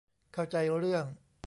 เข้าใจเรื่อง